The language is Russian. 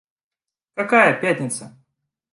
Какая пятница?